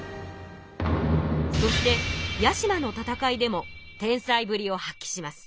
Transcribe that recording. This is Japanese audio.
そして屋島の戦いでも天才ぶりを発揮します。